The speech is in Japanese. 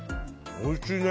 おいしいね。